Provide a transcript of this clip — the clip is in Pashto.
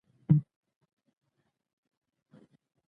د نالښتونو او زګيرويو آوازونه هم اورېدل کېدل.